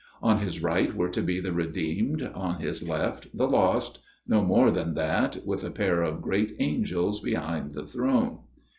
On His right were to be the redeemed, on His left the lost no more than that, with a pair of great angels behind the throne.